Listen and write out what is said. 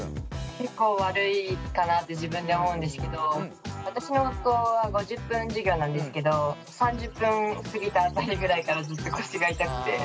結構悪いかなって自分で思うんですけど私の学校は５０分授業なんですけど３０分過ぎた辺りぐらいからずっと腰が痛くて。